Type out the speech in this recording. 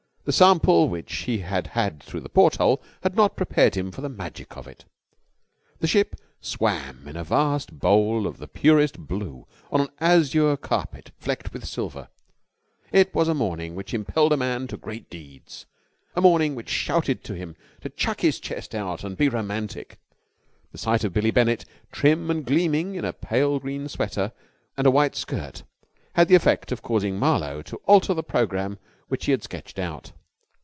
The sample which he had had through the porthole had not prepared him for the magic of it. The ship swam in a vast bowl of the purest blue on an azure carpet flecked with silver. It was a morning which impelled a man to great deeds, a morning which shouted to him to chuck his chest out and be romantic. The sight of Billie Bennett, trim and gleaming in a pale green sweater and a white skirt had the effect of causing Marlowe to alter the programme which he had sketched out.